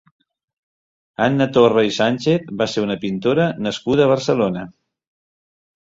Anna Torra i Sánchez va ser una pintora nascuda a Barcelona.